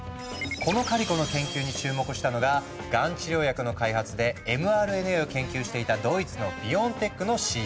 このカリコの研究に注目したのががん治療薬の開発でｍＲＮＡを研究していたドイツのビオンテックのＣＥＯ。